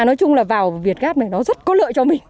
nói chung là vào việt gáp này nó rất có lợi cho mình